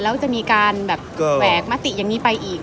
แล้วจะมีการแบวมะติแบบนี้ไปอีก